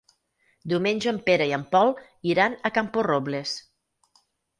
Diumenge en Pere i en Pol iran a Camporrobles.